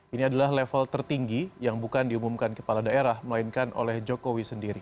ini adalah level tertinggi yang bukan diumumkan kepala daerah melainkan oleh jokowi sendiri